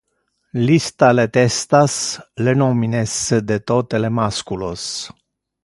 Lista le testas, le nomines de tote le masculos.